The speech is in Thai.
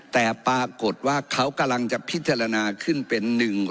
แต่ปรากฏว่าเขากำลังจะพิจารณาขึ้นเป็น๑๐